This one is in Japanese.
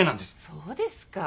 そうですか。